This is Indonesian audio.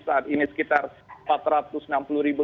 saat ini sekitar empat ratus enam puluh ribu